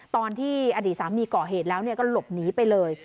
ตอนที่อดีตสามีก่อเหตุแล้วก็หลบหนีไปเลย